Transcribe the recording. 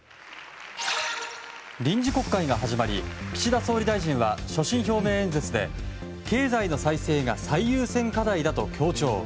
臨時国会が始まり岸田総理大臣は所信表明演説で経済の再生が最優先課題だと強調。